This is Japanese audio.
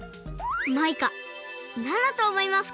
マイカなんだとおもいますか？